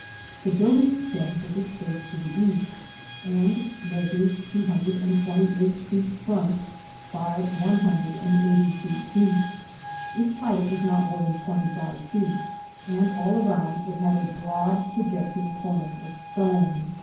The building stands with its face to the east, and measures two hundred and twenty eight feet front by one hundred and eighty feet deep. Its height is not more than twenty five feet, and all around it had a broad projecting cornice of stone.